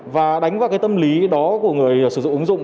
và đánh vào cái tâm lý đó của người sử dụng ứng dụng